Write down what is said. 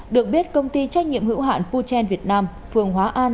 được biết công ty trách nhiệm hữu hạn puten việt nam phường hóa an